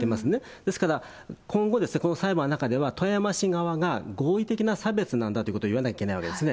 ですから、今後、この裁判の中では、富山市側が合理的な差別なんだということを言わなきゃいけないわけですね。